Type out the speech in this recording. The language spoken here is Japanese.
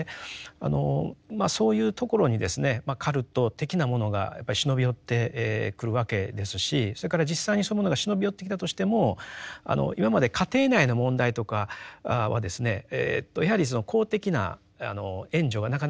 まあそういうところにカルト的なものがやっぱり忍び寄ってくるわけですしそれから実際にそういうものが忍び寄ってきたとしても今まで家庭内の問題とかはですねやはりその公的な援助がなかなかやっぱ入りにくかったですよね。